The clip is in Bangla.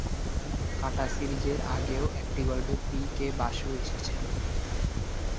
কাঁটা সিরিজের আগেও একটি গল্পে পি কে বাসু এসেছেন।